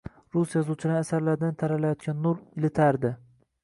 Rus yozuvchilarining asarlaridan taralayotgan nur ilitadi.